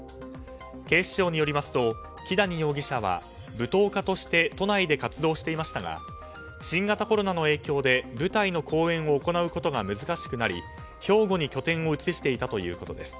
警視庁によりますと木谷容疑者は舞踏家として都内で活動していましたが新型コロナの影響で舞台の公演を行うことが難しくなり兵庫に拠点を移していたということです。